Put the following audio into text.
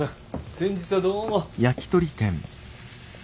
先日はどうも。